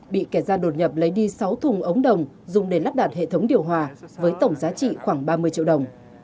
bị kẻ gian đột nhập lấy đi sáu thùng ống đồng dùng để lắp đặt hệ thống điều hòa với tổng giá trị khoảng ba mươi triệu đồng